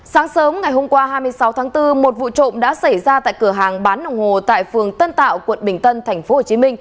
sáng sớm ngày hôm qua hai mươi sáu tháng bốn một vụ trộm đã xảy ra tại cửa hàng bán đồng hồ tại phường tân tạo quận bình tân tp hcm